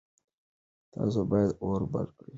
تاسو باید اور بل کړئ.